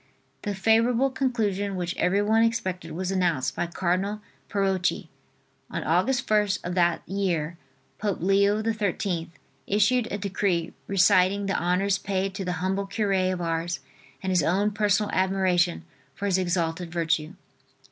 The favorable conclusion which everyone expected was announced by Cardinal Parocchi. On Aug. 1st, of that year, Pope Leo XIII, issued a decree reciting the honors paid to the humble cure of Ars and his own personal admiration for his exalted virtue.